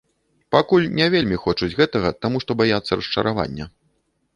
І пакуль не вельмі хочуць гэтага, таму што баяцца расчаравання.